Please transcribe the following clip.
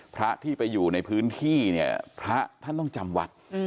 พระที่ไปอยู่ในพื้นที่เนี่ยพระท่านต้องจำวัด